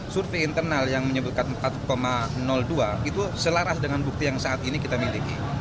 survei internal yang menyebutkan empat dua itu selaras dengan bukti yang saat ini kita miliki